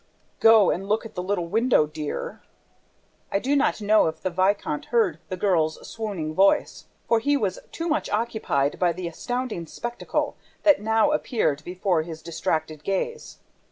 "Go and look at the little window, dear!" I do not know if the viscount heard the girl's swooning voice, for he was too much occupied by the astounding spectacle that now appeared before his distracted gaze.